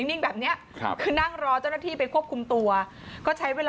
นิ่งแบบนี้นั้นรอเจ้าหน้าที่ไปควบคุมตัวก็ใช้เวลา